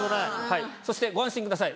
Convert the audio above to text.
そしてご安心ください。